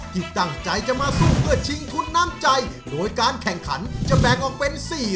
ที่ตั้งใจจะมาสู้เพื่อชิงทุนน้ำใจ